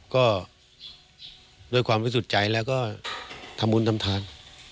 ก็ด้วยความวิสุทธิ์ใจแล้วก็ทำบุญทำทาน